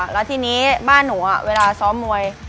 แล้วทีนี้บ้านหนูเวลาซ้อมมวย